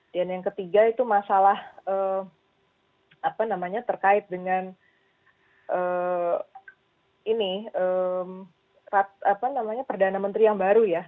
dan yang ketiga itu masalah terkait dengan perdana menteri yang baru ya